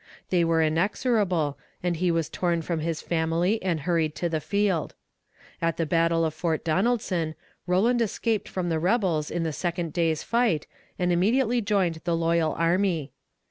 They were inexorable, and he was torn from his family and hurried to the field. At the battle of Fort Donaldson, Rowland escaped from the rebels in the second day's fight, and immediately joined the loyal army.